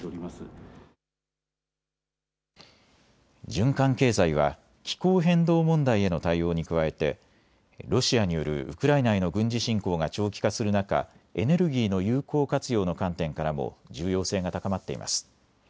循環経済は気候変動問題への対応に加えてロシアによるウクライナへの軍事侵攻が長期化する中、エネルギーの有効活用の観点からも重要性が高まっています。